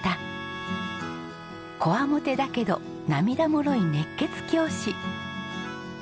強面だけど涙もろい熱血教師。